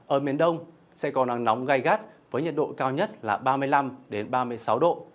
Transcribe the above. ở miền đông sẽ có nắng nóng gai gắt với nhiệt độ cao nhất là ba mươi năm ba mươi sáu độ